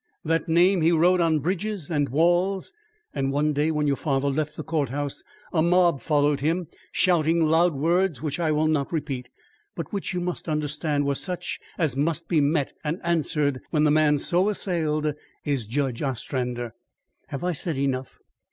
That name he wrote on bridges and walls; and one day, when your father left the courthouse, a mob followed him, shouting loud words which I will not repeat, but which you must understand were such as must be met and answered when the man so assailed is Judge Ostrander. Have I said enough?